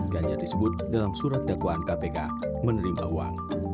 ganjar disebut dalam surat dakwaan kpk menerima uang